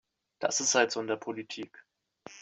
Das ist halt so in der Politik.